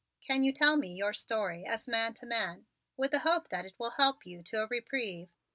Can you tell me your story as man to man, with the hope that it will help you to a reprieve?"